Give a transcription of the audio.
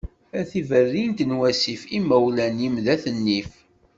A tiberrint n wasif, imawlan-im d at nnif.